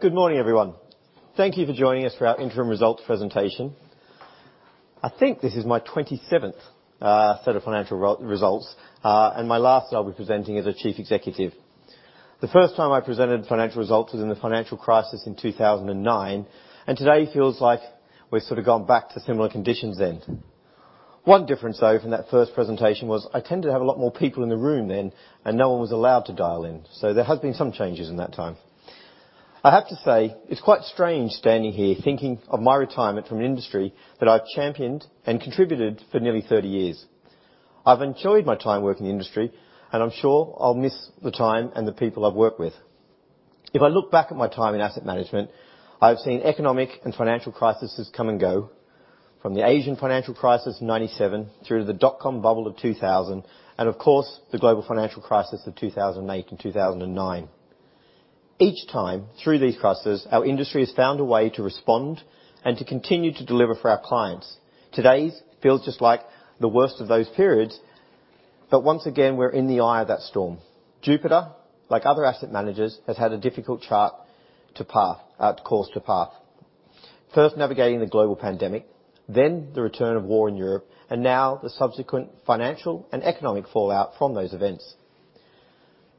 Good morning, everyone. Thank you for joining us for our interim results presentation. I think this is my 27th set of financial results, and my last I'll be presenting as the Chief Executive. The first time I presented financial results was in the financial crisis in 2009, and today feels like we've sort of gone back to similar conditions then. One difference, though, from that first presentation was I tended to have a lot more people in the room then, and no one was allowed to dial in, so there has been some changes in that time. I have to say, it's quite strange standing here thinking of my retirement from an industry that I've championed and contributed for nearly 30 years. I've enjoyed my time working in the industry, and I'm sure I'll miss the time and the people I've worked with. If I look back at my time in asset management, I've seen economic and financial crises come and go, from the Asian financial crisis in 1997 through to the dot-com bubble of 2000, and of course, the global financial crisis of 2008 and 2009. Each time through these crises, our industry has found a way to respond and to continue to deliver for our clients. Today feels just like the worst of those periods, but once again, we're in the eye of that storm. Jupiter, like other asset managers, has had a difficult course to chart. First, navigating the global pandemic, then the return of war in Europe, and now the subsequent financial and economic fallout from those events.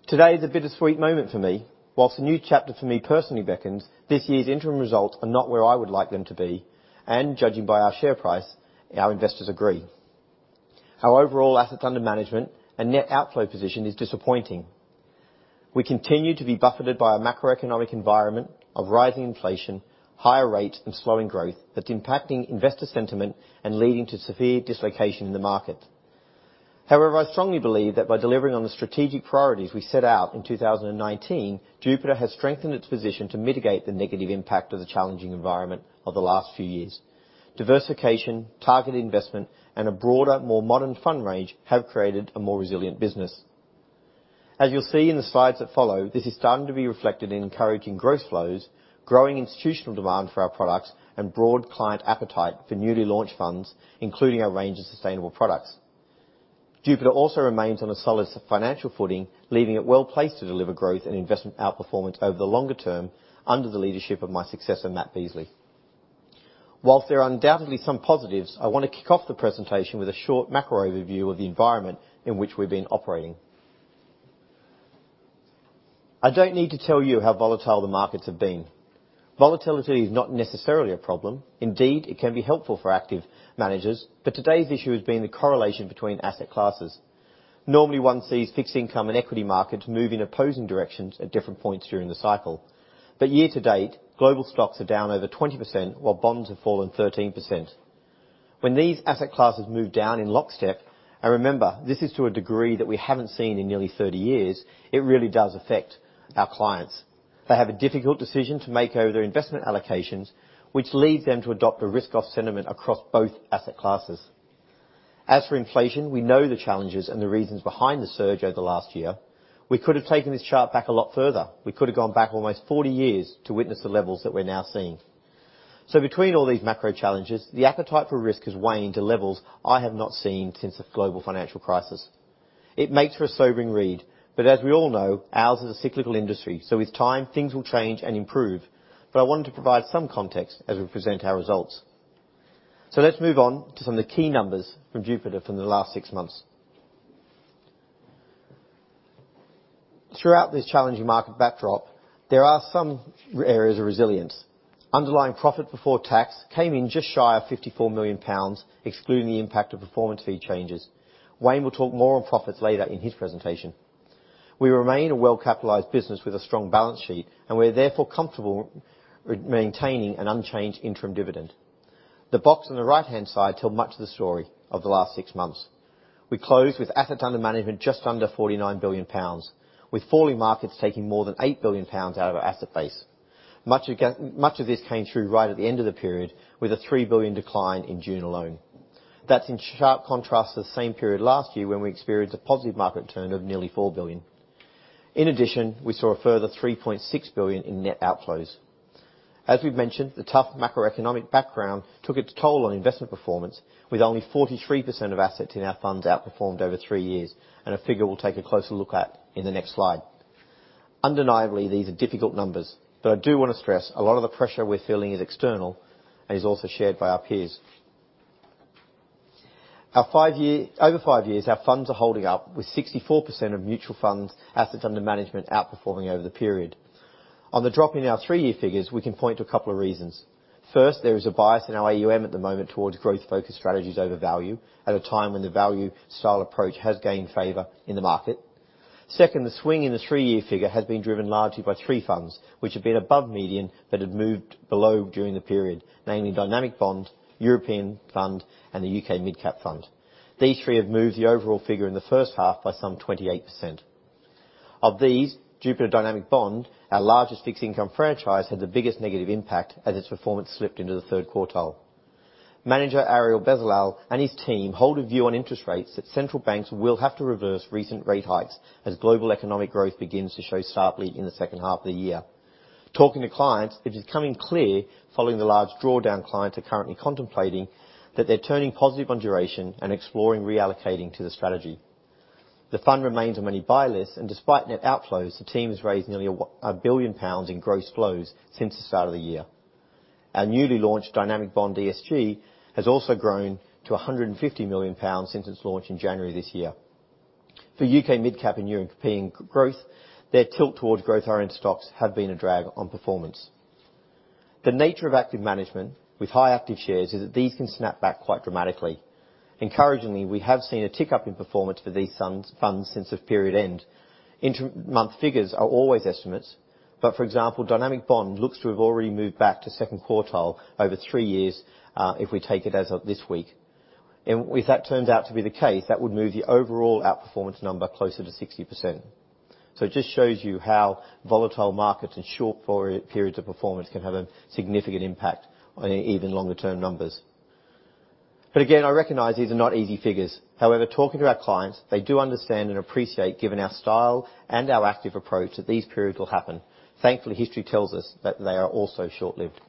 Today is a bittersweet moment for me. While a new chapter for me personally beckons, this year's interim results are not where I would like them to be, and judging by our share price, our investors agree. Our overall assets under management and net outflow position is disappointing. We continue to be buffeted by a macroeconomic environment of rising inflation, higher rates, and slowing growth that's impacting investor sentiment and leading to severe dislocation in the market. However, I strongly believe that by delivering on the strategic priorities we set out in 2019, Jupiter has strengthened its position to mitigate the negative impact of the challenging environment of the last few years. Diversification, targeted investment, and a broader, more modern fund range have created a more resilient business. As you'll see in the slides that follow, this is starting to be reflected in encouraging growth flows, growing institutional demand for our products, and broad client appetite for newly launched funds, including our range of sustainable products. Jupiter also remains on a solid sound financial footing, leaving it well-placed to deliver growth and investment outperformance over the longer term under the leadership of my successor, Matt Beesley. While there are undoubtedly some positives, I wanna kick off the presentation with a short macro overview of the environment in which we've been operating. I don't need to tell you how volatile the markets have been. Volatility is not necessarily a problem. Indeed, it can be helpful for active managers, but today's issue has been the correlation between asset classes. Normally, one sees fixed income and equity markets move in opposing directions at different points during the cycle. Year to date, global stocks are down over 20%, while bonds have fallen 13%. When these asset classes move down in lockstep, and remember, this is to a degree that we haven't seen in nearly 30 years, it really does affect our clients. They have a difficult decision to make over their investment allocations, which leads them to adopt a risk-off sentiment across both asset classes. As for inflation, we know the challenges and the reasons behind the surge over the last year. We could have taken this chart back a lot further. We could have gone back almost 40 years to witness the levels that we're now seeing. Between all these macro challenges, the appetite for risk has waned to levels I have not seen since the global financial crisis. It makes for a sobering read, but as we all know, ours is a cyclical industry, so with time, things will change and improve. I wanted to provide some context as we present our results. Let's move on to some of the key numbers from Jupiter from the last six months. Throughout this challenging market backdrop, there are some areas of resilience. Underlying profit before tax came in just shy of 54 million pounds, excluding the impact of performance fee changes. Wayne will talk more on profits later in his presentation. We remain a well-capitalized business with a strong balance sheet, and we're therefore comfortable maintaining an unchanged interim dividend. The box on the right-hand side tells much of the story of the last six months. We closed with assets under management just under 49 billion pounds, with falling markets taking more than 8 billion pounds out of our asset base. Much of this came through right at the end of the period, with a 3 billion decline in June alone. That's in sharp contrast to the same period last year when we experienced a positive market turn of nearly 4 billion. In addition, we saw a further 3.6 billion in net outflows. As we've mentioned, the tough macroeconomic background took its toll on investment performance, with only 43% of assets in our funds outperformed over three years, and a figure we'll take a closer look at in the next slide. Undeniably, these are difficult numbers, but I do wanna stress a lot of the pressure we're feeling is external and is also shared by our peers. Our five-year. Over five years, our funds are holding up with 64% of mutual funds assets under management outperforming over the period. On the drop in our three-year figures, we can point to a couple of reasons. First, there is a bias in our AUM at the moment towards growth-focused strategies over value at a time when the value style approach has gained favor in the market. Second, the swing in the three-year figure has been driven largely by three funds, which have been above median but have moved below during the period, namely Dynamic Bond, European Fund, and the U.K. Mid Cap Fund. These three have moved the overall figure in the first half by some 28%. Of these, Jupiter Dynamic Bond, our largest fixed income franchise, had the biggest negative impact as its performance slipped into the third quartile. Manager Ariel Bezalel and his team hold a view on interest rates that central banks will have to reverse recent rate hikes as global economic growth begins to show sharply in the second half of the year. Talking to clients, it is becoming clear, following the large drawdown clients are currently contemplating, that they're turning positive on duration and exploring reallocating to the strategy. The fund remains on many buy lists, and despite net outflows, the team has raised nearly 1 billion pounds in gross flows since the start of the year. Our newly launched Dynamic Bond ESG has also grown to 150 million pounds since its launch in January this year. For U.K. Mid-Cap and European Growth, their tilt towards growth-oriented stocks have been a drag on performance. The nature of active management with high active shares is that these can snap back quite dramatically. Encouragingly, we have seen a tick-up in performance for these funds since the period end. Interim figures are always estimates, but for example, Dynamic Bond looks to have already moved back to second quartile over three years, if we take it as of this week. If that turns out to be the case, that would move the overall outperformance number closer to 60%. It just shows you how volatile markets and short periods of performance can have a significant impact on even longer-term numbers. Again, I recognize these are not easy figures. Talking to our clients, they do understand and appreciate, given our style and our active approach, that these periods will happen. Thankfully, history tells us that they are also short-lived.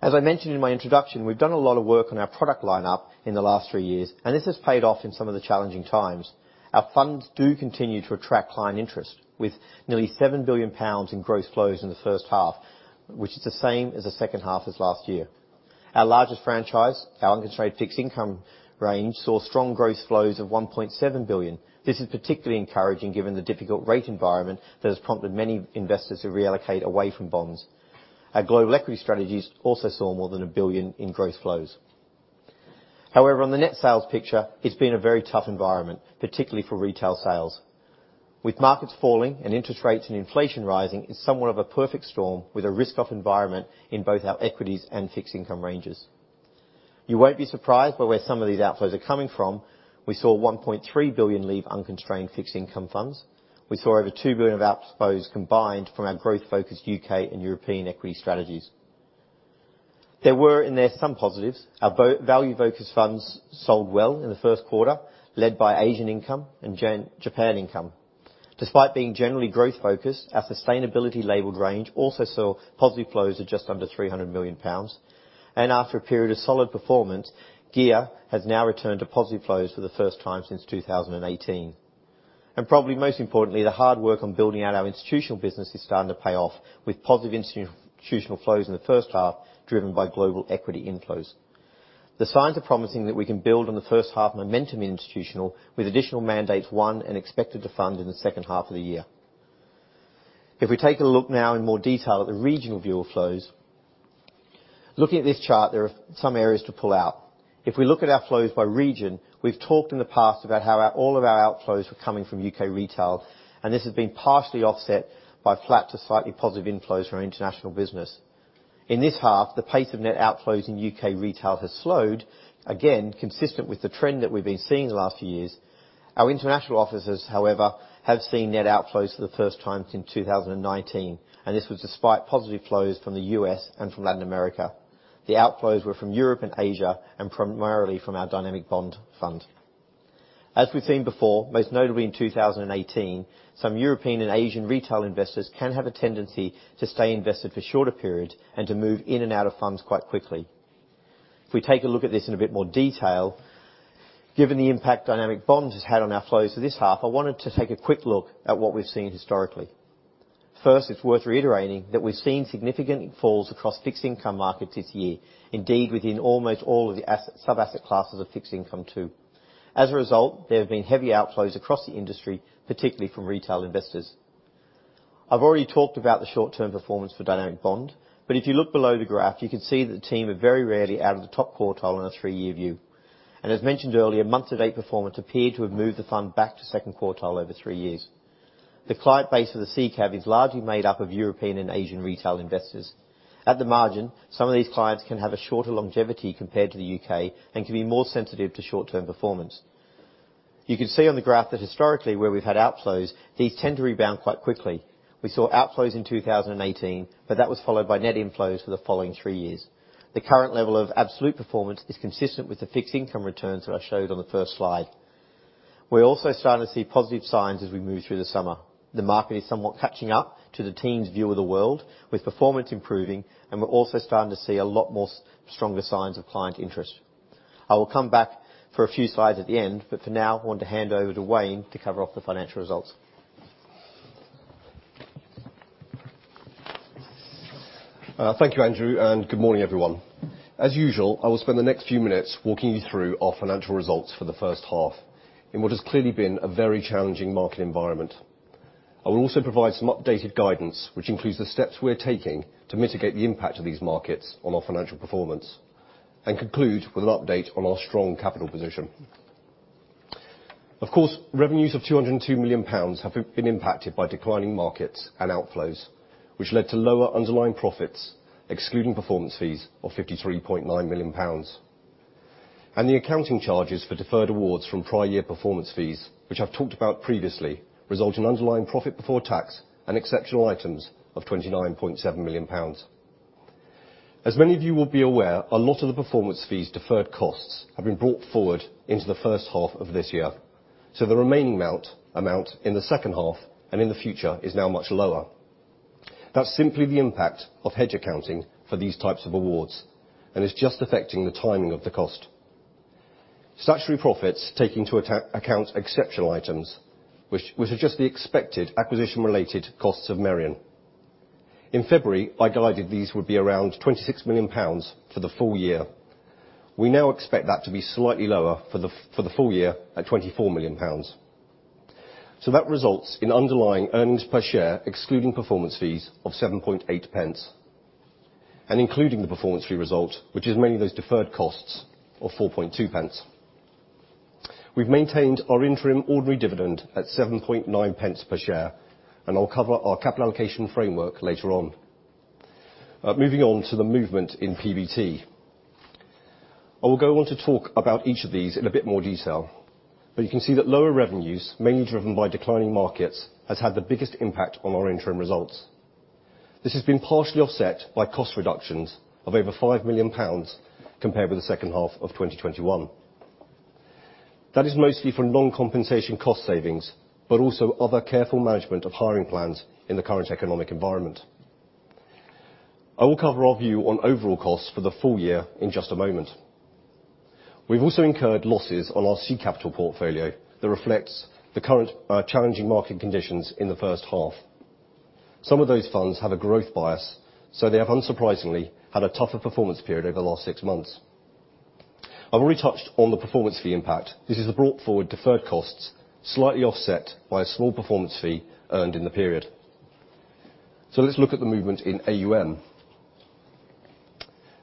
As I mentioned in my introduction, we've done a lot of work on our product line-up in the last three years, and this has paid off in some of the challenging times. Our funds do continue to attract client interest, with nearly 7 billion pounds in gross flows in the first half, which is the same as the second half as last year. Our largest franchise, our unconstrained fixed income range, saw strong gross flows of 1.7 billion. This is particularly encouraging given the difficult rate environment that has prompted many investors to reallocate away from bonds. Our global equity strategies also saw more than 1 billion in gross flows. However, on the net sales picture, it's been a very tough environment, particularly for retail sales. With markets falling and interest rates and inflation rising, it's somewhat of a perfect storm with a risk-off environment in both our equities and fixed income ranges. You won't be surprised by where some of these outflows are coming from. We saw 1.3 billion leave unconstrained fixed income funds. We saw over 2 billion of outflows combined from our growth-focused U.K. and European equity strategies. There were in there some positives. Our value-focused funds sold well in the first quarter, led by Asian Income and Japan Income. Despite being generally growth-focused, our sustainability-labeled range also saw positive flows of just under 300 million pounds. After a period of solid performance, GEAR has now returned to positive flows for the first time since 2018. Probably most importantly, the hard work on building out our institutional business is starting to pay off, with positive institutional flows in the first half driven by global equity inflows. The signs are promising that we can build on the first half momentum in institutional with additional mandates won and expected to fund in the second half of the year. If we take a look now in more detail at the regional view of flows. Looking at this chart, there are some areas to pull out. If we look at our flows by region, we've talked in the past about how our, all of our outflows were coming from U.K. retail, and this has been partially offset by flat to slightly positive inflows from our international business. In this half, the pace of net outflows in U.K. retail has slowed, again, consistent with the trend that we've been seeing the last few years. Our international offices, however, have seen net outflows for the first time since 2019, and this was despite positive flows from the U.S. and from Latin America. The outflows were from Europe and Asia, and primarily from our Dynamic Bond fund. As we've seen before, most notably in 2018, some European and Asian retail investors can have a tendency to stay invested for shorter periods and to move in and out of funds quite quickly. If we take a look at this in a bit more detail, given the impact Dynamic Bond has had on our flows for this half, I wanted to take a quick look at what we've seen historically. First, it's worth reiterating that we've seen significant falls across fixed income markets this year. Indeed, within almost all of the asset, sub-asset classes of fixed income too. As a result, there have been heavy outflows across the industry, particularly from retail investors. I've already talked about the short-term performance for Dynamic Bond, but if you look below the graph, you can see that the team are very rarely out of the top quartile on a three-year view. As mentioned earlier, month-to-date performance appeared to have moved the fund back to second quartile over three years. The client base of the SICAV is largely made up of European and Asian retail investors. At the margin, some of these clients can have a shorter longevity compared to the U.K. and can be more sensitive to short-term performance. You can see on the graph that historically where we've had outflows, these tend to rebound quite quickly. We saw outflows in 2018, but that was followed by net inflows for the following three years. The current level of absolute performance is consistent with the fixed income returns that I showed on the first slide. We're also starting to see positive signs as we move through the summer. The market is somewhat catching up to the team's view of the world with performance improving, and we're also starting to see a lot more stronger signs of client interest. I will come back for a few slides at the end, but for now, I want to hand over to Wayne to cover off the financial results. Thank you, Andrew, and good morning, everyone. As usual, I will spend the next few minutes walking you through our financial results for the first half in what has clearly been a very challenging market environment. I will also provide some updated guidance, which includes the steps we're taking to mitigate the impact of these markets on our financial performance and conclude with an update on our strong capital position. Of course, revenues of 202 million pounds have been impacted by declining markets and outflows, which led to lower underlying profits, excluding performance fees of 53.9 million pounds. The accounting charges for deferred awards from prior year performance fees, which I've talked about previously, result in underlying profit before tax and exceptional items of 29.7 million pounds. Many of you will be aware, a lot of the performance fees deferred costs have been brought forward into the first half of this year, so the remaining amount in the second half and in the future is now much lower. That's simply the impact of hedge accounting for these types of awards, and it's just affecting the timing of the cost. Statutory profits, taking into account exceptional items, which are just the expected acquisition related costs of Merian. In February, I guided these would be around 26 million pounds for the full year. We now expect that to be slightly lower for the full year at 24 million pounds. That results in underlying earnings per share, excluding performance fees of 0.078. Including the performance fee result, which is mainly those deferred costs of 0.042. We've maintained our interim ordinary dividend at 0.079 per share, and I'll cover our capital allocation framework later on. Moving on to the movement in PBT. I will go on to talk about each of these in a bit more detail. You can see that lower revenues, mainly driven by declining markets, has had the biggest impact on our interim results. This has been partially offset by cost reductions of over 5 million pounds compared with the second half of 2021. That is mostly from non-compensation cost savings, but also other careful management of hiring plans in the current economic environment. I will cover our view on overall costs for the full year in just a moment. We've also incurred losses on our seed capital portfolio that reflects the current, challenging market conditions in the first half. Some of those funds have a growth bias, so they have unsurprisingly had a tougher performance period over the last six months. I've already touched on the performance fee impact. This is a brought forward deferred costs, slightly offset by a small performance fee earned in the period. Let's look at the movement in AUM.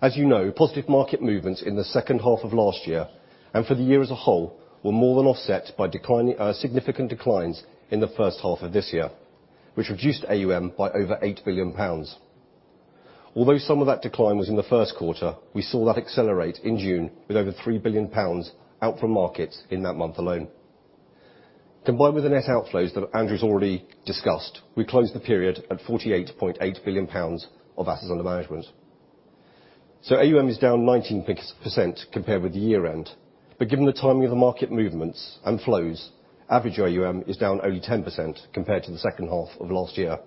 As you know, positive market movements in the second half of last year, and for the year as a whole, were more than offset by significant declines in the first half of this year, which reduced AUM by over 8 billion pounds. Although some of that decline was in the first quarter, we saw that accelerate in June with over 3 billion pounds out from markets in that month alone. Combined with the net outflows that Andrew's already discussed, we closed the period at 48.8 billion pounds of assets under management. AUM is down 19% compared with the year-end. Given the timing of the market movements and flows, average AUM is down only 10% compared to the second half of the last year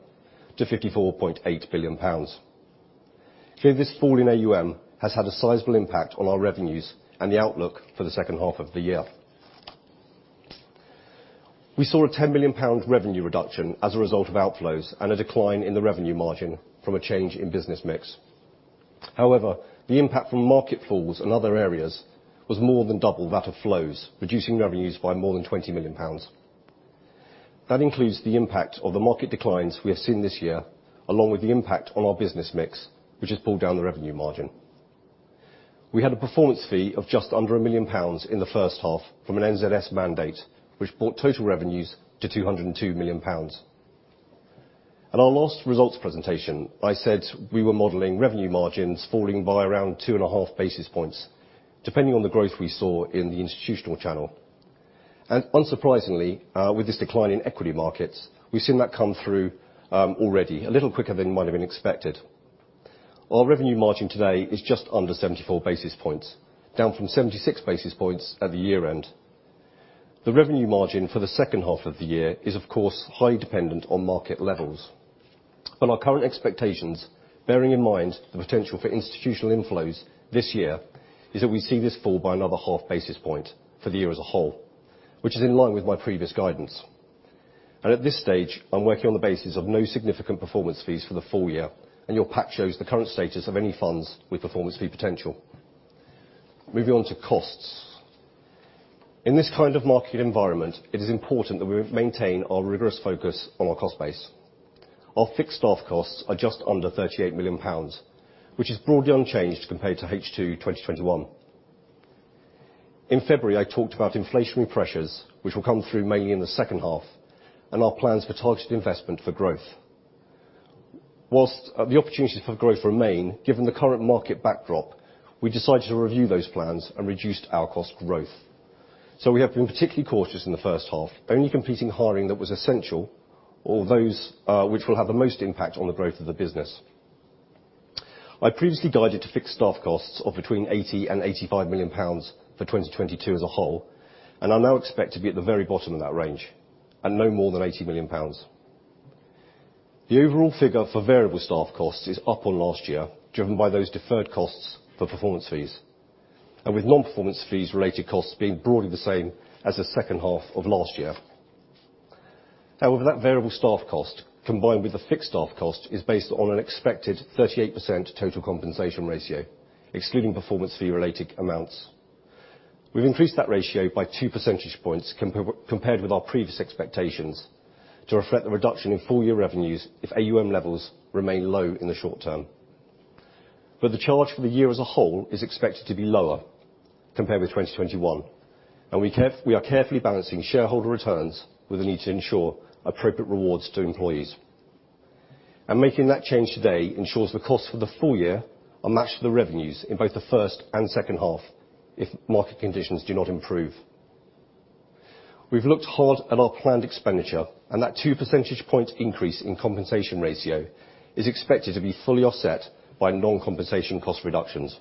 to 54.8 billion pounds. Clearly, this fall in AUM has had a sizable impact on our revenues and the outlook for the second half of the year. We saw a 10 million pounds revenue reduction as a result of outflows and a decline in the revenue margin from a change in business mix. However, the impact from market falls in other areas was more than double that of flows, reducing revenues by more than 20 million pounds. That includes the impact of the market declines we have seen this year, along with the impact on our business mix, which has pulled down the revenue margin. We had a performance fee of just under 1 million pounds in the first half from an NZS mandate, which brought total revenues to 202 million pounds. At our last results presentation, I said we were modeling revenue margins falling by around 2.5 basis points, depending on the growth we saw in the institutional channel. Unsurprisingly, with this decline in equity markets, we've seen that come through, already a little quicker than might have been expected. Our revenue margin today is just under 74 basis points, down from 76 basis points at the year-end. The revenue margin for the second half of the year is of course, highly dependent on market levels. Our current expectations, bearing in mind the potential for institutional inflows this year, is that we see this fall by another half basis point for the year as a whole, which is in line with my previous guidance. At this stage, I'm working on the basis of no significant performance fees for the full year, and your pack shows the current status of any funds with performance fee potential. Moving on to costs. In this kind of market environment, it is important that we maintain our rigorous focus on our cost base. Our fixed staff costs are just under 38 million pounds, which is broadly unchanged compared to H2 2021. In February, I talked about inflationary pressures, which will come through mainly in the second half, and our plans for targeted investment for growth. While the opportunities for growth remain, given the current market backdrop, we decided to review those plans and reduced our cost growth. We have been particularly cautious in the first half, only completing hiring that was essential or those which will have the most impact on the growth of the business. I previously guided to fixed staff costs of between 80 million and 85 million pounds for 2022 as a whole, and I now expect to be at the very bottom of that range and no more than 80 million pounds. The overall figure for variable staff costs is up on last year, driven by those deferred costs for performance fees, and with non-performance fees related costs being broadly the same as the second half of last year. However, that variable staff cost, combined with the fixed staff cost, is based on an expected 38% total compensation ratio, excluding performance fee related amounts. We've increased that ratio by 2 percentage points compared with our previous expectations to reflect the reduction in full-year revenues if AUM levels remain low in the short term. The charge for the year as a whole is expected to be lower compared with 2021, and we are carefully balancing shareholder returns with a need to ensure appropriate rewards to employees. Making that change today ensures the costs for the full year are matched to the revenues in both the first and second half if market conditions do not improve. We've looked hard at our planned expenditure, and that 2 percentage point increase in compensation ratio is expected to be fully offset by non-compensation cost reductions.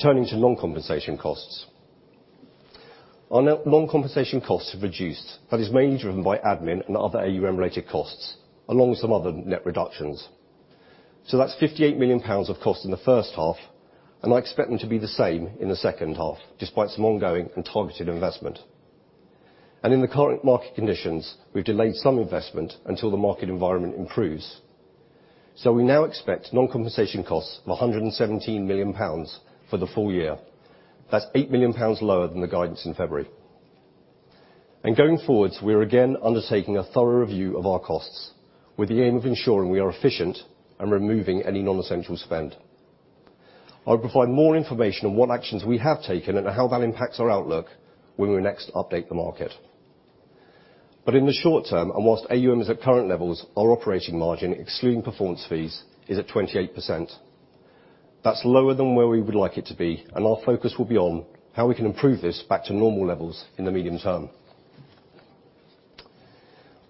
Turning to non-compensation costs. Our non-compensation costs have reduced. That is mainly driven by admin and other AUM-related costs, along with some other net reductions. That's 58 million pounds of cost in the first half, and I expect them to be the same in the second half, despite some ongoing and targeted investment. In the current market conditions, we've delayed some investment until the market environment improves. We now expect non-compensation costs of GBP 117 million for the full year. That's 8 million pounds lower than the guidance in February. Going forward, we're again undertaking a thorough review of our costs with the aim of ensuring we are efficient and removing any non-essential spend. I'll provide more information on what actions we have taken and how that impacts our outlook when we next update the market. In the short term, and while AUM is at current levels, our operating margin, excluding performance fees, is at 28%. That's lower than where we would like it to be, and our focus will be on how we can improve this back to normal levels in the medium term.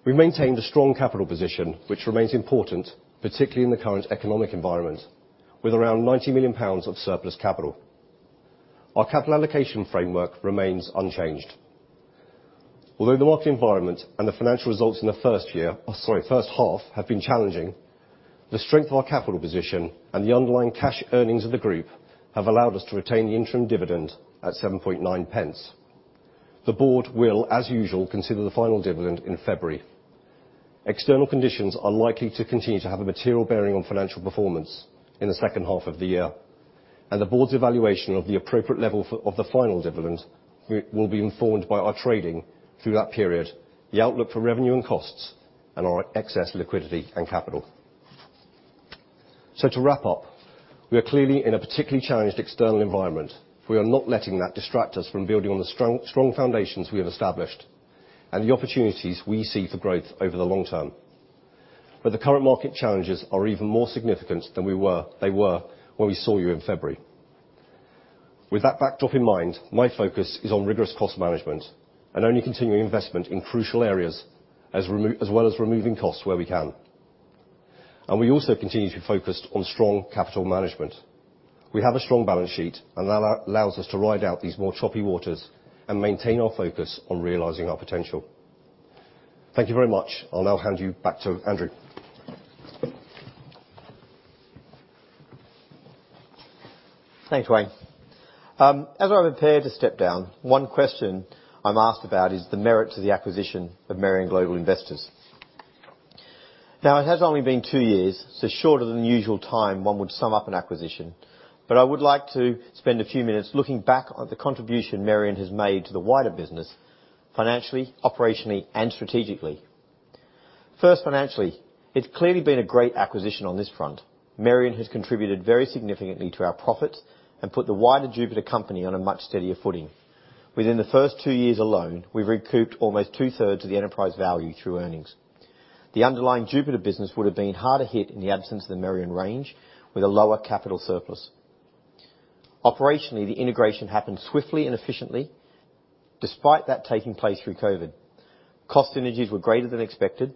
We maintained a strong capital position, which remains important, particularly in the current economic environment, with around 90 million pounds of surplus capital. Our capital allocation framework remains unchanged. Although the market environment and the financial results in the first year, or sorry, first half, have been challenging, the strength of our capital position and the underlying cash earnings of the group have allowed us to retain the interim dividend at 0.079. The board will, as usual, consider the final dividend in February. External conditions are likely to continue to have a material bearing on financial performance in the second half of the year, and the board's evaluation of the appropriate level of the final dividend will be informed by our trading through that period, the outlook for revenue and costs, and our excess liquidity and capital. To wrap up, we are clearly in a particularly challenged external environment. We are not letting that distract us from building on the strong foundations we have established and the opportunities we see for growth over the long term. The current market challenges are even more significant than they were when we saw you in February. With that backdrop in mind, my focus is on rigorous cost management and only continuing investment in crucial areas as well as removing costs where we can. We also continue to be focused on strong capital management. We have a strong balance sheet, and that allows us to ride out these more choppy waters and maintain our focus on realizing our potential. Thank you very much. I'll now hand you back to Andrew. Thanks, Wayne. As I prepare to step down, one question I'm asked about is the merit to the acquisition of Merian Global Investors. Now, it has only been two years, so shorter than the usual time one would sum up an acquisition. I would like to spend a few minutes looking back on the contribution Merian has made to the wider business financially, operationally, and strategically. First, financially. It's clearly been a great acquisition on this front. Merian has contributed very significantly to our profit and put the wider Jupiter company on a much steadier footing. Within the first two years alone, we've recouped almost 2/3 of the enterprise value through earnings. The underlying Jupiter business would have been harder hit in the absence of the Merian range with a lower capital surplus. Operationally, the integration happened swiftly and efficiently, despite that taking place through COVID. Cost synergies were greater than expected.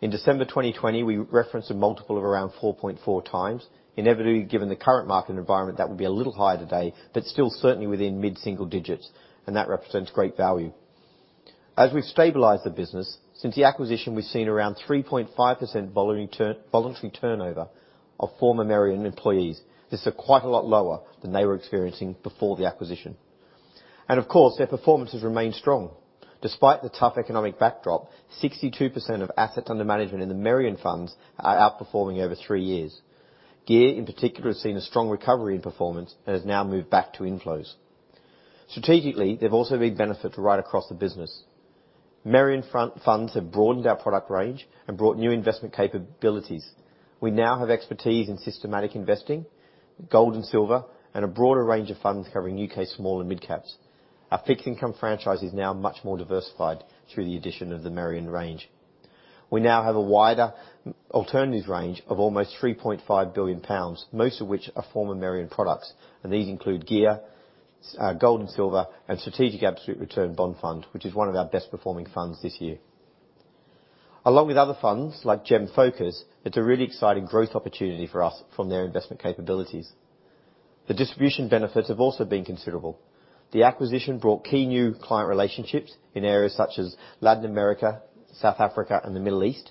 In December 2020, we referenced a multiple of around 4.4x. Inevitably, given the current market environment, that would be a little higher today, but still certainly within mid-single digits, and that represents great value. As we've stabilized the business, since the acquisition, we've seen around 3.5% voluntary turnover of former Merian employees. This is quite a lot lower than they were experiencing before the acquisition. Of course, their performance has remained strong. Despite the tough economic backdrop, 62% of assets under management in the Merian funds are outperforming over three years. GEAR, in particular, has seen a strong recovery in performance and has now moved back to inflows. Strategically, they've also been a benefit right across the business. Merian Funds have broadened our product range and brought new investment capabilities. We now have expertise in systematic investing, gold and silver, and a broader range of funds covering U.K. small and mid caps. Our fixed income franchise is now much more diversified through the addition of the Merian range. We now have a wider alternatives range of almost 3.5 billion pounds, most of which are former Merian products. These include GEAR, gold and silver, and Strategic Absolute Return Bond Fund, which is one of our best-performing funds this year. Along with other funds like GEM Focus, it's a really exciting growth opportunity for us from their investment capabilities. The distribution benefits have also been considerable. The acquisition brought key new client relationships in areas such as Latin America, South Africa, and the Middle East.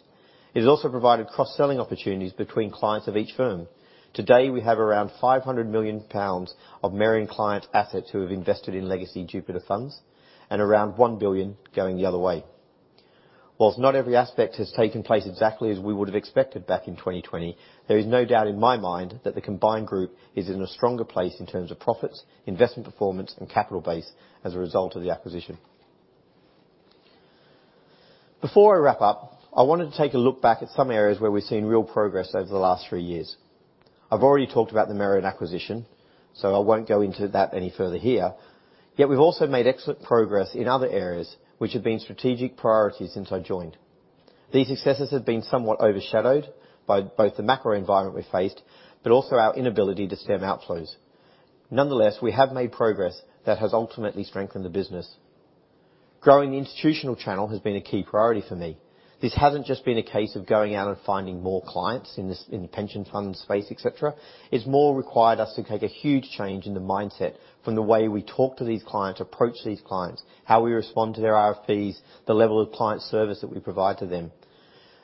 It has also provided cross-selling opportunities between clients of each firm. Today, we have around 500 million pounds of Merian client assets who have invested in legacy Jupiter funds and around 1 billion going the other way. While not every aspect has taken place exactly as we would have expected back in 2020, there is no doubt in my mind that the combined group is in a stronger place in terms of profits, investment performance, and capital base as a result of the acquisition. Before I wrap up, I wanted to take a look back at some areas where we've seen real progress over the last three years. I've already talked about the Merian acquisition, so I won't go into that any further here. We've also made excellent progress in other areas which have been strategic priorities since I joined. These successes have been somewhat overshadowed by both the macro environment we faced, but also our inability to stem outflows. Nonetheless, we have made progress that has ultimately strengthened the business. Growing institutional channel has been a key priority for me. This hasn't just been a case of going out and finding more clients in this, in the pension fund space, et cetera. It's more required us to take a huge change in the mindset from the way we talk to these clients, approach these clients, how we respond to their RFPs, the level of client service that we provide to them.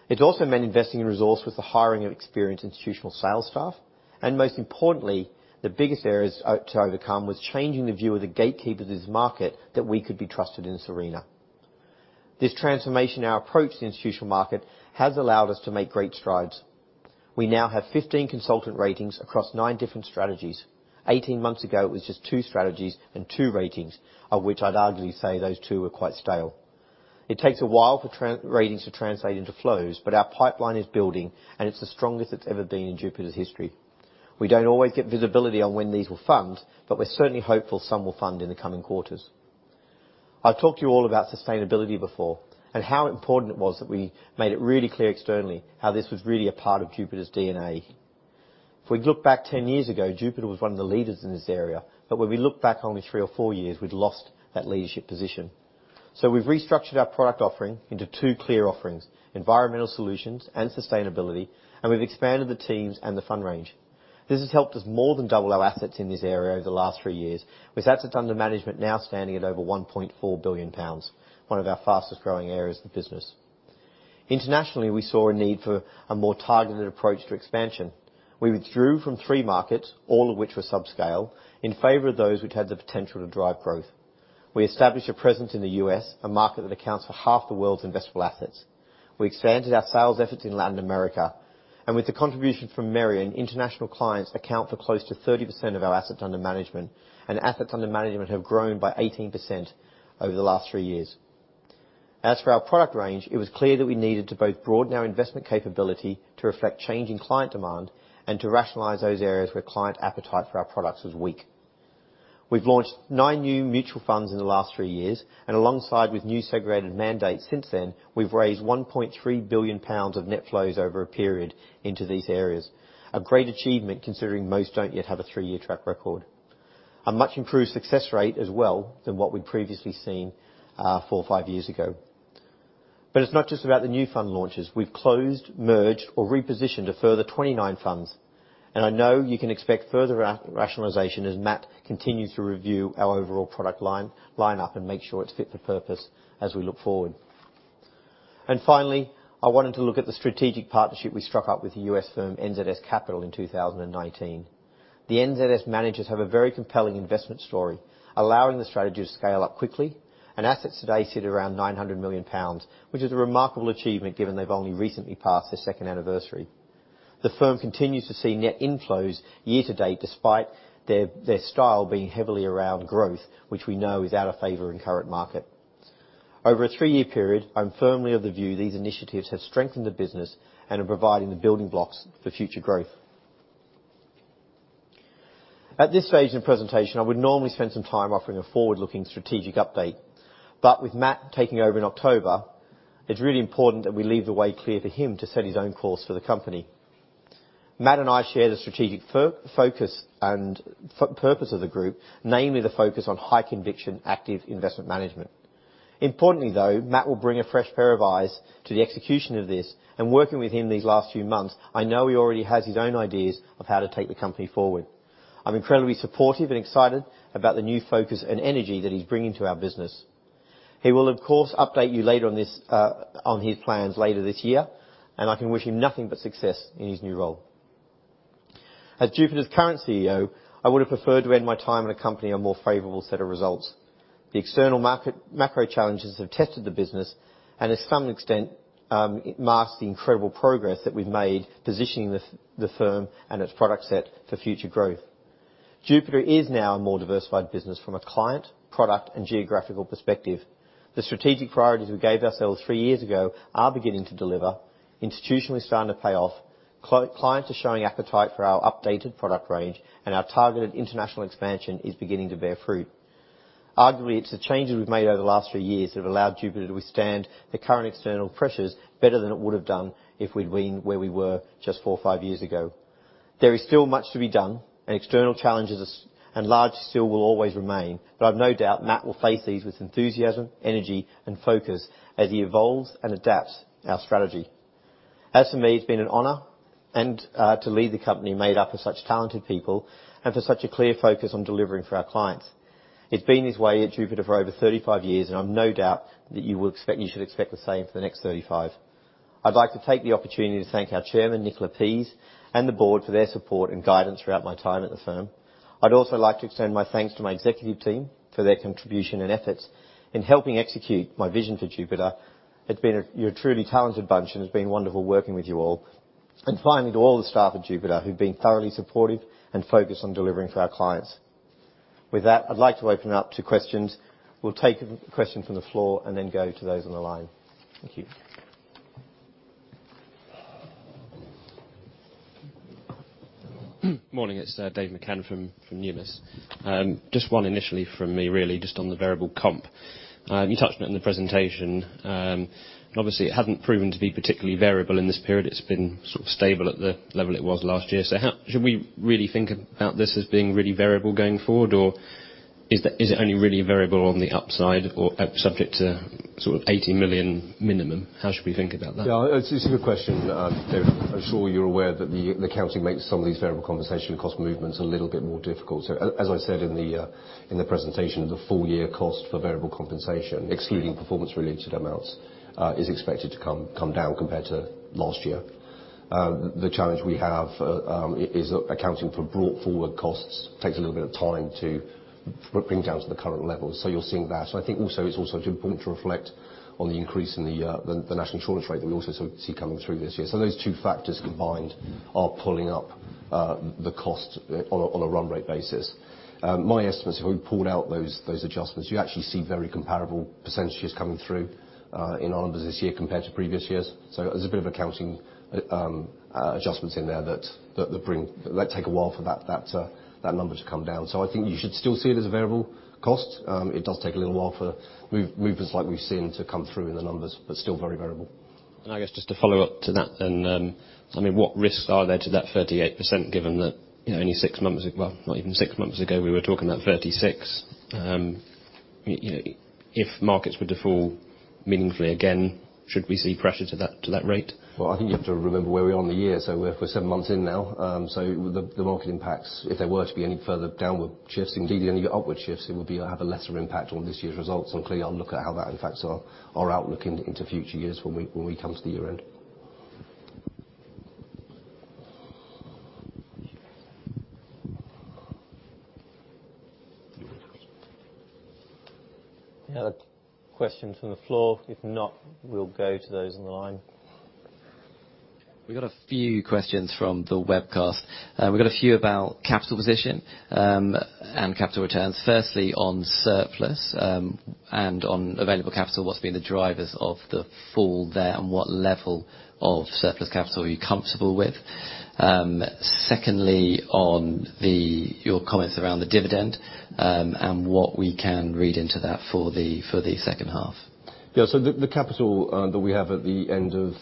It's also meant investing in resource with the hiring of experienced institutional sales staff, and most importantly, the biggest areas to overcome was changing the view of the gatekeepers' market that we could be trusted in Merian. This transformation in our approach to the institutional market has allowed us to make great strides. We now have 15 consultant ratings across nine different strategies. 18 months ago, it was just two strategies and two ratings. Of which I'd arguably say those two were quite stale. It takes a while for those ratings to translate into flows, but our pipeline is building, and it's the strongest it's ever been in Jupiter's history. We don't always get visibility on when these will fund, but we're certainly hopeful some will fund in the coming quarters. I've talked to you all about sustainability before and how important it was that we made it really clear externally how this was really a part of Jupiter's DNA. If we'd looked back 10 years ago, Jupiter was one of the leaders in this area, but when we look back only three or four years, we'd lost that leadership position. We've restructured our product offering into two clear offerings, environmental solutions and sustainability, and we've expanded the teams and the fund range. This has helped us more than double our assets in this area over the last three years, with assets under management now standing at over 1.4 billion pounds, one of our fastest-growing areas of the business. Internationally, we saw a need for a more targeted approach to expansion. We withdrew from three markets, all of which were subscale, in favor of those which had the potential to drive growth. We established a presence in the U.S., a market that accounts for half the world's investable assets. We expanded our sales efforts in Latin America, and with the contribution from Merian, international clients account for close to 30% of our assets under management, and assets under management have grown by 18% over the last three years. As for our product range, it was clear that we needed to both broaden our investment capability to reflect changing client demand and to rationalize those areas where client appetite for our products was weak. We've launched nine new mutual funds in the last three years, and alongside with new segregated mandates since then, we've raised 1.3 billion pounds of net flows over a period into these areas. A great achievement considering most don't yet have a three-year track record. A much improved success rate as well than what we'd previously seen, four or five years ago. It's not just about the new fund launches. We've closed, merged, or repositioned a further 29 funds, and I know you can expect further rationalization as Matt continues to review our overall product lineup and make sure it's fit for purpose as we look forward. Finally, I wanted to look at the strategic partnership we struck up with the U.S. firm NZS Capital in 2019. The NZS managers have a very compelling investment story, allowing the strategy to scale up quickly, and assets today sit around 900 million pounds, which is a remarkable achievement given they've only recently passed their second anniversary. The firm continues to see net inflows year to date, despite their style being heavily around growth, which we know is out of favor in current market. Over a three-year period, I'm firmly of the view these initiatives have strengthened the business and are providing the building blocks for future growth. At this stage in the presentation, I would normally spend some time offering a forward-looking strategic update. With Matt taking over in October, it's really important that we leave the way clear for him to set his own course for the company. Matt and I share the strategic focus and purpose of the group, namely the focus on high conviction active investment management. Importantly, though, Matt will bring a fresh pair of eyes to the execution of this, and working with him these last few months, I know he already has his own ideas of how to take the company forward. I'm incredibly supportive and excited about the new focus and energy that he's bringing to our business. He will, of course, update you later on this, on his plans later this year, and I can wish him nothing but success in his new role. As Jupiter's current CEO, I would have preferred to end my time at a company a more favorable set of results. The external market, macro challenges have tested the business and to some extent, it masks the incredible progress that we've made positioning the firm and its product set for future growth. Jupiter is now a more diversified business from a client, product, and geographical perspective. The strategic priorities we gave ourselves three years ago are beginning to deliver. Institutionally starting to pay off. Clients are showing appetite for our updated product range, and our targeted international expansion is beginning to bear fruit. Arguably, it's the changes we've made over the last three years that have allowed Jupiter to withstand the current external pressures better than it would have done if we'd been where we were just four or five years ago. There is still much to be done and external challenges still will always remain, but I've no doubt Matt will face these with enthusiasm, energy, and focus as he evolves and adapts our strategy. As for me, it's been an honor and to lead the company made up of such talented people and for such a clear focus on delivering for our clients. It's been this way at Jupiter for over 35 years, and I've no doubt that you should expect the same for the next 35. I'd like to take the opportunity to thank our chairman, Nichola Pease, and the board for their support and guidance throughout my time at the firm. I'd also like to extend my thanks to my executive team for their contribution and efforts in helping execute my vision for Jupiter. You're a truly talented bunch, and it's been wonderful working with you all. Finally, to all the staff at Jupiter who've been thoroughly supportive and focused on delivering for our clients. With that, I'd like to open it up to questions. We'll take a question from the floor and then go to those on the line. Thank you. Morning, it's David McCann from Numis. Just one initially from me, really, just on the variable comp. You touched on it in the presentation. Obviously it hasn't proven to be particularly variable in this period. It's been sort of stable at the level it was last year. How should we really think about this as being really variable going forward or is it only really a variable on the upside or subject to sort of 80 million minimum? How should we think about that? Yeah. It's a good question, Dave. I'm sure you're aware that the accounting makes some of these variable compensation cost movements a little bit more difficult. As I said in the presentation, the full year cost for variable compensation, excluding performance-related amounts, is expected to come down compared to last year. The challenge we have is accounting for brought forward costs takes a little bit of time to bring down to the current levels. You're seeing that. I think also it's also important to reflect on the increase in the National Insurance rate that we also sort of see coming through this year. Those two factors combined are pulling up the cost on a run rate basis. My estimate is if we pulled out those adjustments, you actually see very comparable percentages coming through in our numbers this year compared to previous years. There's a bit of accounting adjustments in there that take a while for that number to come down. I think you should still see it as a variable cost. It does take a little while for movements like we've seen to come through in the numbers, but still very variable. I guess just to follow up to that then, I mean, what risks are there to that 38% given that, you know, only six months ago, well, not even six months ago, we were talking about 36. You know, if markets were to fall meaningfully again, should we see pressure to that rate? Well, I think you have to remember where we are in the year. We're seven months in now. The market impacts, if there were to be any further downward shifts, indeed any upward shifts, would have a lesser impact on this year's results. Clearly I'll look at how that impacts our outlook into future years when we come to the year end. Any other questions from the floor? If not, we'll go to those on the line. We've got a few questions from the webcast. We've got a few about capital position and capital returns. Firstly, on surplus and on available capital, what's been the drivers of the fall there, and what level of surplus capital are you comfortable with? Secondly, on your comments around the dividend and what we can read into that for the second half. The capital that we have at the end of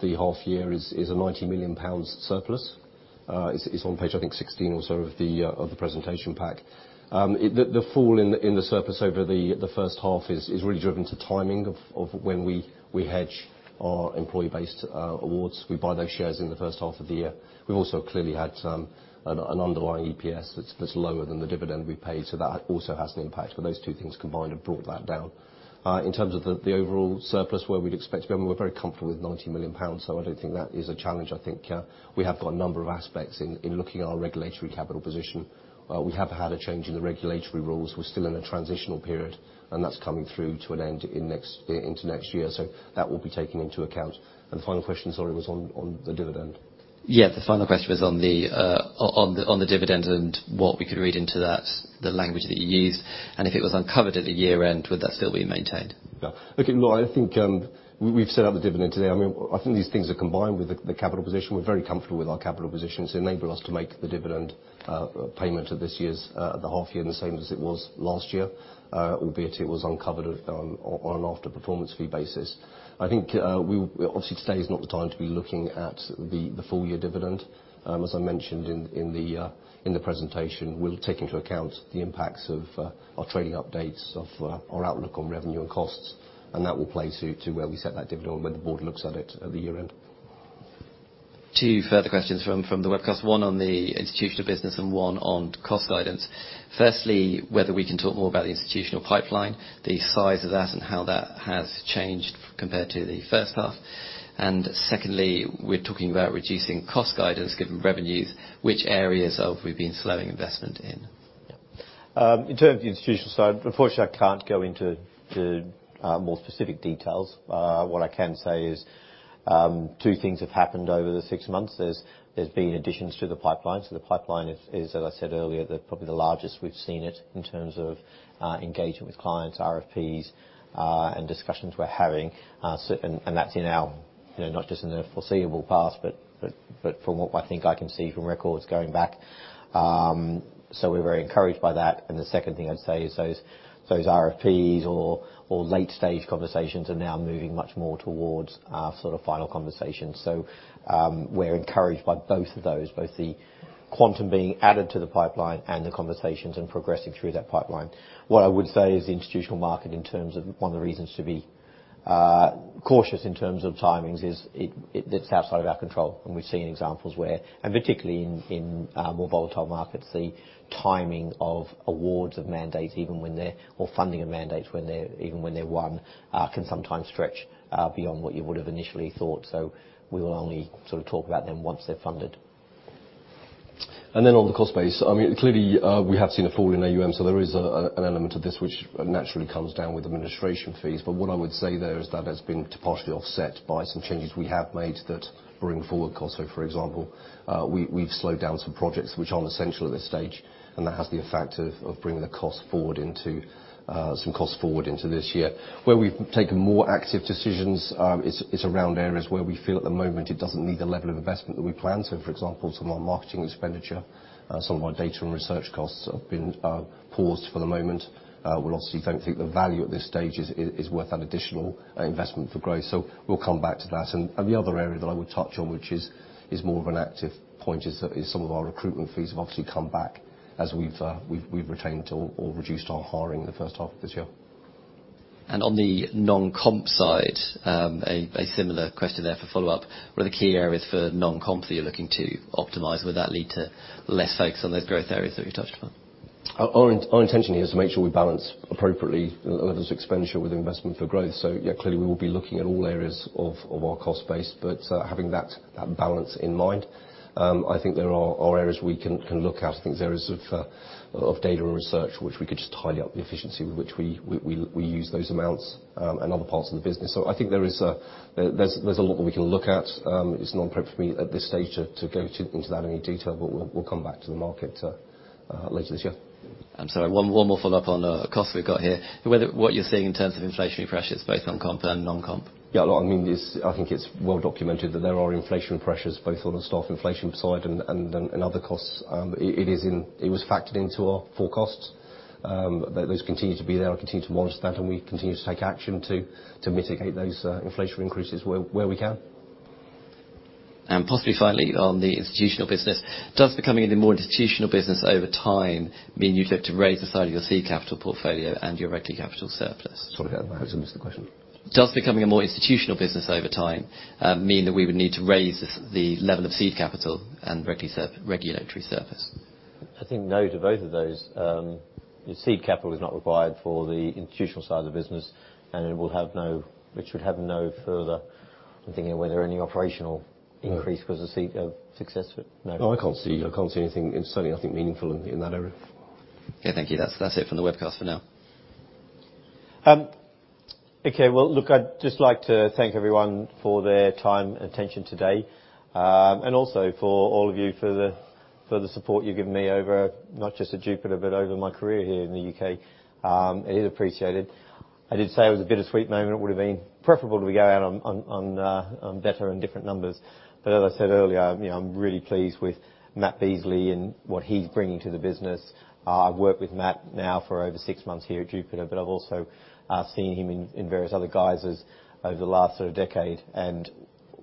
the half year is a 90 million pounds surplus. It's on page, I think, 16 or so of the presentation pack. The fall in the surplus over the first half is really driven by timing of when we hedge our employee-based awards. We buy those shares in the first half of the year. We've also clearly had an underlying EPS that's lower than the dividend we paid, so that also has an impact. Those two things combined have brought that down. In terms of the overall surplus, where we'd expect to be, I mean, we're very comfortable with 90 million pounds, so I don't think that is a challenge. I think we have got a number of aspects in looking at our regulatory capital position. We have had a change in the regulatory rules. We're still in a transitional period, and that's coming through to an end into next year. So that will be taken into account. The final question, sorry, was on the dividend. Yeah. The final question was on the dividend and what we could read into that, the language that you used. If it was uncovered at the year end, would that still be maintained? Yeah. Look, I think we've set out the dividend today. I mean, I think these things are combined with the capital position. We're very comfortable with our capital position to enable us to make the dividend payment at this year's half year the same as it was last year. Albeit it was uncovered on an after performance fee basis. I think. Obviously today is not the time to be looking at the full year dividend. As I mentioned in the presentation, we'll take into account the impacts of our trading updates of our outlook on revenue and costs, and that will play to where we set that dividend or when the board looks at it at the year end. Two further questions from the webcast, one on the institutional business and one on cost guidance. Firstly, whether we can talk more about the institutional pipeline, the size of that and how that has changed compared to the first half. Secondly, we're talking about reducing cost guidance given revenues. Which areas have we been slowing investment in? Yeah. In terms of the institutional side, unfortunately I can't go into the more specific details. What I can say is two things have happened over the six months. There's been additions to the pipeline. The pipeline is, as I said earlier, probably the largest we've seen it in terms of engagement with clients, RFPs, and discussions we're having. That's in our, you know, not just in the foreseeable past, but from what I think I can see from records going back. We're very encouraged by that. The second thing I'd say is those RFPs or late-stage conversations are now moving much more towards our sort of final conversations. We're encouraged by both the quantum being added to the pipeline and the conversations progressing through that pipeline. What I would say is the institutional market in terms of one of the reasons to be cautious in terms of timings is that it's outside of our control. We've seen examples where, particularly in more volatile markets, the timing of awards of mandates, even when they're won, or funding of mandates when they're won, can sometimes stretch beyond what you would have initially thought. We will only sort of talk about them once they're funded. On the cost base, I mean, clearly, we have seen a fall in AUM, so there is an element of this which naturally comes down with administration fees. What I would say there is that has been partially offset by some changes we have made that bring forward costs. For example, we've slowed down some projects which aren't essential at this stage, and that has the effect of bringing some costs forward into this year. Where we've taken more active decisions is around areas where we feel at the moment it doesn't need the level of investment that we planned. For example, some of our marketing expenditure, some of our data and research costs have been paused for the moment. We obviously don't think the value at this stage is worth that additional investment for growth. We'll come back to that. The other area that I would touch on, which is more of an active point, is that some of our recruitment fees have obviously come down as we've retained or reduced our hiring the first half of this year. On the non-comp side, a similar question there for follow-up. What are the key areas for non-comp that you're looking to optimize? Would that lead to less focus on those growth areas that you touched upon? Our intention here is to make sure we balance appropriately the levels of expenditure with investment for growth. Yeah, clearly, we will be looking at all areas of our cost base, but having that balance in mind. I think there are areas we can look at. I think there is of data and research, which we could just tidy up the efficiency with which we use those amounts, and other parts of the business. I think there's a lot more we can look at. It's not appropriate for me at this stage to go into that in any detail, but we'll come back to the market later this year. I'm sorry. One more follow-up on the costs we've got here. What you're seeing in terms of inflationary pressures both on comp and non-comp? Yeah, well, I mean, I think it's well documented that there are inflation pressures, both on the staff inflation side and other costs. It was factored into our full costs. Those continue to be there. I'll continue to monitor that, and we continue to take action to mitigate those inflationary increases where we can. Possibly finally, on the institutional business. Does becoming a more institutional business over time mean you'd have to raise the size of your seed capital portfolio and your regulatory capital surplus? Sorry, I missed the question. Does becoming a more institutional business over time mean that we would need to raise the level of seed capital and regulatory surplus? I think no to both of those. The seed capital is not required for the institutional side of the business, which would have no further operational increase. No No. No, I can't see. I can't see anything, certainly, I think meaningful in that area. Okay, thank you. That's it from the webcast for now. Okay. Well, look, I'd just like to thank everyone for their time and attention today. Also for all of you, for the support you've given me over, not just at Jupiter, but over my career here in the U.K. It is appreciated. I did say it was a bittersweet moment. It would have been preferable to be going out on better and different numbers. As I said earlier, you know, I'm really pleased with Matthew Beesley and what he's bringing to the business. I've worked with Matt now for over six months here at Jupiter, but I've also seen him in various other guises over the last sort of decade.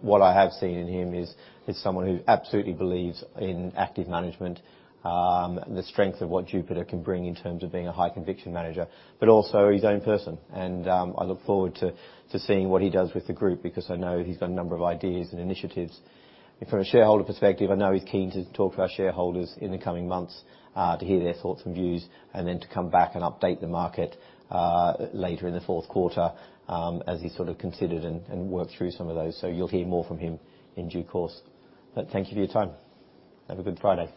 What I have seen in him is someone who absolutely believes in active management, the strength of what Jupiter can bring in terms of being a high conviction manager, but also his own person. I look forward to seeing what he does with the group because I know he's got a number of ideas and initiatives. From a shareholder perspective, I know he's keen to talk to our shareholders in the coming months to hear their thoughts and views, and then to come back and update the market later in the fourth quarter, as he sort of considered and worked through some of those. You'll hear more from him in due course. Thank you for your time. Have a good Friday.